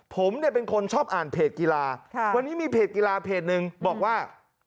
ผมเนี่ยเป็นคนชอบอ่านเพจกีฬาวันนี้มีเพจกีฬาเพจหนึ่งบอกว่า